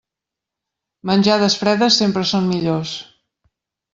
Menjades fredes sempre són millors.